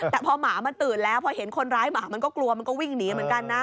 แต่พอหมามันตื่นแล้วพอเห็นคนร้ายหมามันก็กลัวมันก็วิ่งหนีเหมือนกันนะ